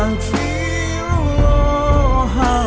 pasti aku pernah paham